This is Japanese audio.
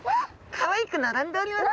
かわいく並んでおりますね。